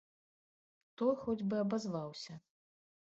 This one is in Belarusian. Той хоць бы абазваўся.